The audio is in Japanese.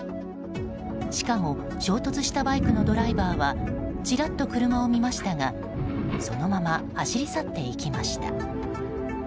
しかも衝突したバイクのドライバーはちらっと車を見ましたがそのまま走り去っていきました。